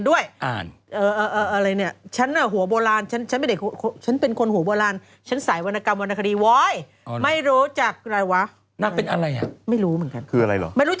ว่าอาจจะมีความสัมพันธ์กับเจนี่เนี่ย